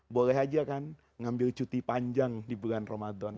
boleh aja kan ngambil cuti panjang di bulan ramadan